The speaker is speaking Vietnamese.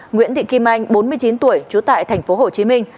nguyễn thị kim anh bốn mươi chín tuổi trú tại thành phố hồ chí minh